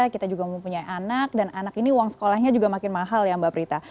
kita juga mempunyai anak dan anak ini uang sekolahnya juga makin mahal ya mbak prita